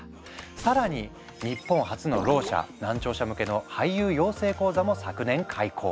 さらに日本初のろう者・難聴者向けの俳優養成講座も昨年開講。